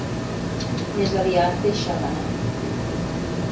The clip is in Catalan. Més aviat deixada anar.